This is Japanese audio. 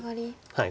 はい。